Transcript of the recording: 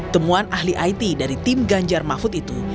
temuan ahli it dari tim ganjar mahfud itu